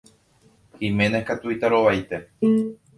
Giménez katu itarovaite.